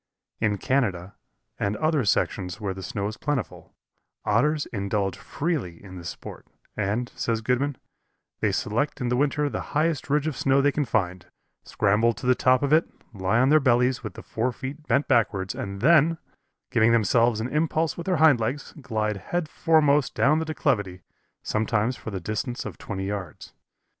In Canada, and other sections where the snow is plentiful, Otters indulge freely in this sport, and, says Godman, "they select in winter the highest ridge of snow they can find, scramble to the top of it, lie on their bellies with the forefeet bent backwards and then, giving themselves an impulse with their hindlegs, glide head foremost down the declivity, sometimes for the distance of twenty yards.